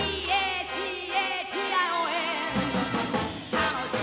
楽しいな！」